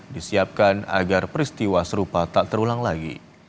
disiapkan agar peristiwa serupa tak terulang lagi